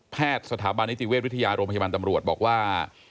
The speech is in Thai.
สถาบันนิติเวชวิทยาโรงพยาบาลตำรวจบอกว่า